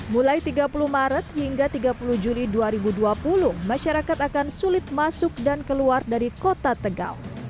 mulai tiga puluh maret hingga tiga puluh juli dua ribu dua puluh masyarakat akan sulit masuk dan keluar dari kota tegal